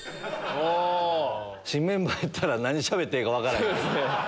新メンバーやったら何しゃべったらええか分からん。